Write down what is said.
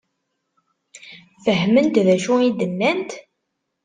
Fehment d acu i d-nnant?